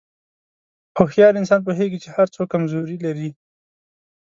هوښیار انسان پوهېږي چې هر څوک کمزوري لري.